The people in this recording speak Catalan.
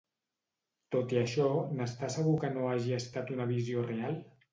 Tot i això, n'està segur que no hagi estat una visió real?